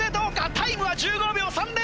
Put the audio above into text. タイムは１５秒３０！